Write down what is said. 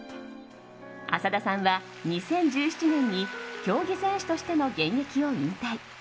浅田さんは２０１７年に競技選手としての現役を引退。